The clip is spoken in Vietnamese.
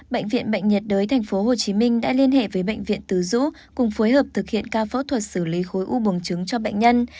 bệnh viện bệnh nhiệt đới tp hcm đã liên hệ với bệnh viện tứ dũ cùng phối hợp thực hiện ca phẫu thuật xử lý khối u bùn trứng cho bệnh nhân